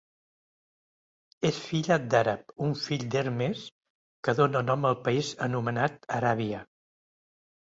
És filla d'Àrab, un fill d'Hermes, que donà nom al país anomenat Aràbia.